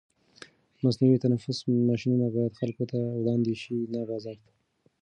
مصنوعي تنفس ماشینونه باید خلکو ته وړاندې شي، نه بازار ته.